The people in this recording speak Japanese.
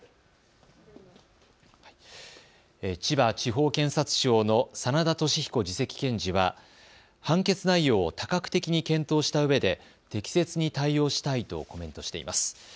千葉地方検察庁の眞田寿彦次席検事は判決内容を多角的に検討したうえで適切に対応したいとコメントしています。